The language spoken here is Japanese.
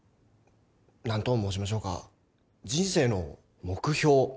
何と申しましょうか人生の目標？